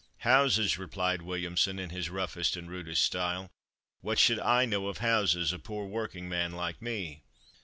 "Houses!" replied Williamson in his roughest and rudest style: "What should I know of houses, a poor working man like me!"